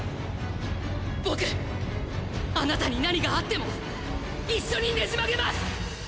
僕っあなたに何があっても一緒にねじ曲げます